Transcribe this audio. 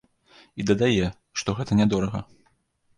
І дадае, што гэта нядорага.